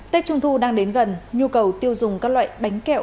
tết trung thu đang đến gần nhu cầu tiêu dùng các loại bánh kẹo